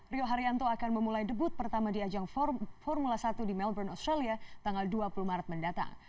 rio haryanto akan memulai debut pertama di ajang formula satu di melbourne australia tanggal dua puluh maret mendatang